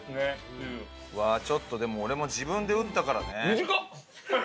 うわーちょっとでも俺も自分で打ったからね。